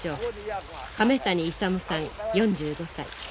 亀谷勇さん４５歳。